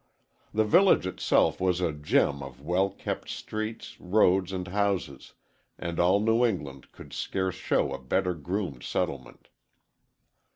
The village itself was a gem of well kept streets, roads and houses, and all New England could scarce show a better groomed settlement.